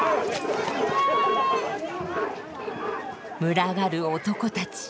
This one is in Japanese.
群がる男たち。